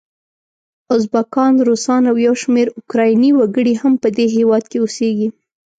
ازبکان، روسان او یو شمېر اوکرایني وګړي هم په دې هیواد کې اوسیږي.